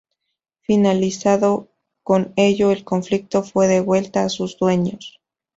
Finalizado con ello el conflicto, fue devuelta a sus dueños.